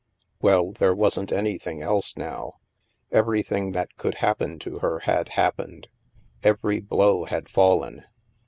Well, there wasn't anything else now. Every thing that could happen to her had happened. Every blow had fallen.